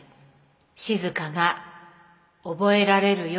静が覚えられるようにって。